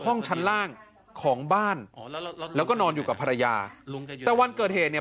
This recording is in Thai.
ห้องชั้นล่างของบ้านแล้วก็นอนอยู่กับภรรยาแต่วันเกิดเหตุเนี่ย